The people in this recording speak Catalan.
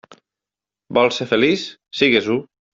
Vols ser feliç? Sigues-ho.